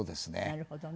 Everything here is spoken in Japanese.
なるほどね。